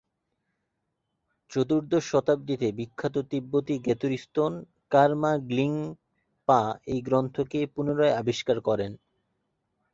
চতুর্দশ শতাব্দীতে বিখ্যাত তিব্বতী গ্তের-স্তোন কার-মা-গ্লিং-পা এই গ্রন্থকে পুনরায় আবিষ্কার করেন।